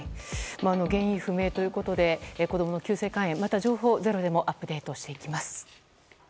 原因不明ということで子供の急性肝炎また情報を「ｚｅｒｏ」でもアップデートしていきます。